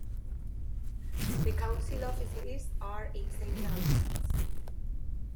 The council offices are in Saint Albans.